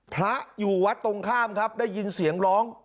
พระอยู่วัดตรงข้ามครับได้ยินเสียงร้อง